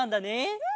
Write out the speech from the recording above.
うん！